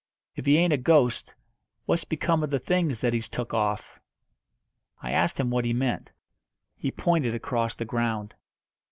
"If he ain't a ghost, what's become of the things that he's took off?" I asked him what he meant. He pointed across the ground.